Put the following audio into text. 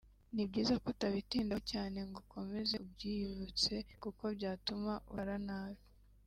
ni byiza ko utabitindaho cyane ngo ukomeze ubyiyibutse kuko byatuma urara nabi